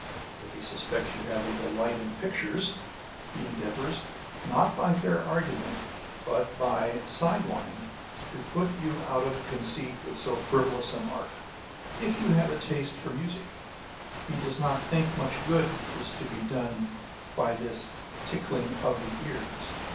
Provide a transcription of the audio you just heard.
If he suspects you have a delight in pictures, he endeavours, not by fair argument, but by a side wind, to put you out of conceit with so frivolous an art. If you have a taste for music, he does not think much good is to be done by this tickling of the ears.